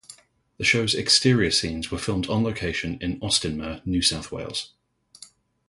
The show's exterior scenes were filmed on location in Austinmer, New South Wales.